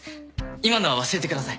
今のは忘れてください。